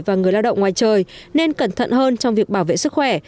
và người lao động ngoài trời nên cẩn thận hơn trong việc bảo vệ sức khỏe